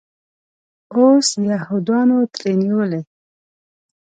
اوس یهودانو ترې نیولی.